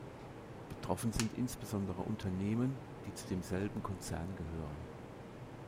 Betroffen sind insbesondere Unternehmen, die zu demselben Konzern gehören.